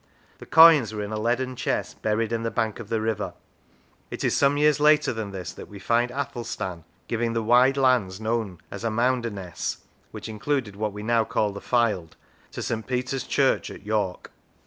The coins were in a leaden chest buried in the bank of the river. It is some years later than this that we find Athelstan giving the wide lands known as Arnounderness (which included what we now call the Fylde) to St. Peter's Church at York.